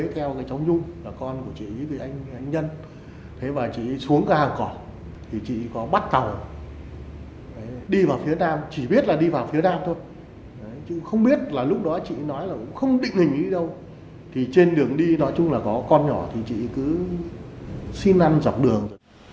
không định hình đi đâu thì trên đường đi nói chung là có con nhỏ thì chị cứ xin ăn dọc đường